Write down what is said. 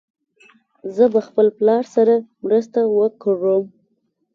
زه به خپل پلار سره مرسته وکړم.